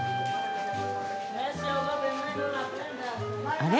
あれ？